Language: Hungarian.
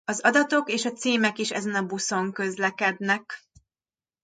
Az adatok és a címek is ezen a buszon közlekednek.